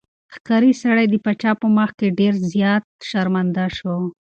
ښکاري سړی د پاچا په مخ کې ډېر زیات شرمنده شو.